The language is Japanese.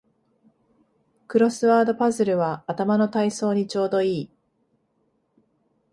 クロスワードパズルは頭の体操にちょうどいい